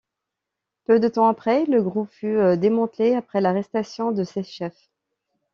Peu de temps après, le groupe fut démantelé après l'arrestation de ses chefs.